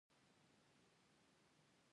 لاس یې را ته وښوراوه.